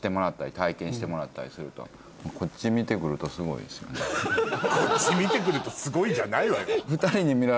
「こっち見てくるとスゴイ」じゃないわよ。